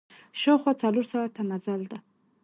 شاوخوا څلور ساعته مزل ده.